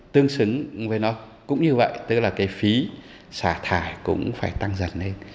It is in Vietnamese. tương xứng với nó cũng như vậy tức là cái phí xả thải cũng phải tăng dần lên